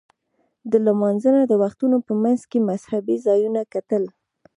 د لمانځه د وختونو په منځ کې مذهبي ځایونه کتل.